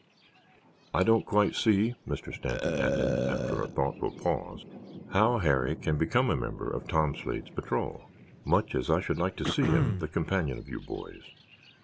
I don't quite see," Mr. Stanton added, after a thoughtful pause, "how Harry can become a member of Tom Slade's patrol, much as I should like to see him the companion of you boys.